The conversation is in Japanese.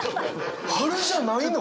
春じゃないの？